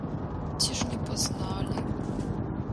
Ці ж не пазналі?